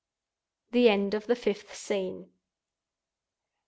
THE END OF THE FIFTH SCENE.